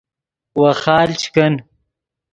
ویخال چے کن